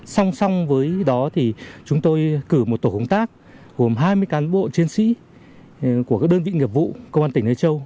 song song với đó thì chúng tôi cử một tổ công tác gồm hai mươi cán bộ chiến sĩ của các đơn vị nghiệp vụ công an tỉnh hệ châu